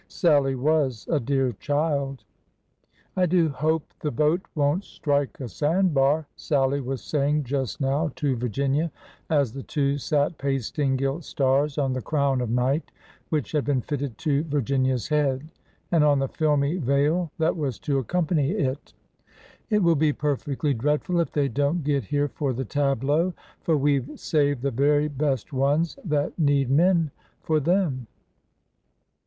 Sallie was a dear child 1 I do hope the boat won't strike a sand bar," Sallie was saying just now to Virginia, as the two sat pasting gilt stars on the crown of Night which had been fitted to Virginia's head, and on the filmy veil that was to accom pany it. It will be perfectly dreadful if they don't get here for the tableaux, for we 've saved the very best ones that need men for them."